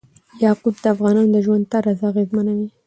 یاقوت د افغانانو د ژوند طرز اغېزمنوي.